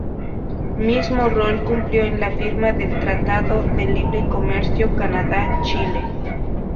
Mismo rol cumplió en la firma del Tratado de Libre Comercio Canadá-Chile.